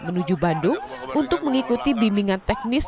menuju bandung untuk mengikuti bimbingan teknis